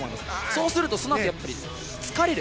そうすると、そのあとやっぱり疲れる。